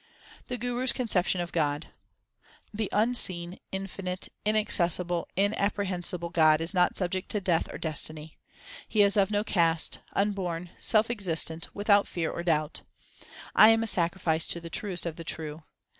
The Guru s conception of God : The Unseen, Infinite, Inaccessible, Inapprehensible God is not subject to death or destiny. 1 He is of no caste, unborn, self existent, without fear or doubt. I am a sacrifice to the Truest of the true.